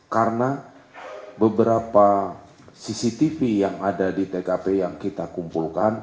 karena beberapa cctv yang ada di tkp yang kita kumpulkan itu memang membutuhkan kerjasama kita dengan pihak luar negeri